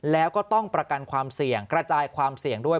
แล้วก็ต้องประกันความเสี่ยงกระจายความเสี่ยงด้วย